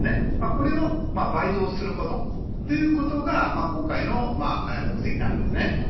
これを倍増することということが今回の目的なんですね。